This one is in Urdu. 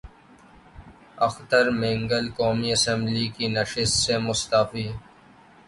اختر مینگل قومی اسمبلی کی نشست سے مستعفی